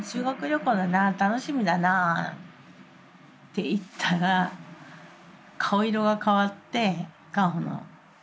「楽しみだなあ」って言ったら顔色が変わって果穂の。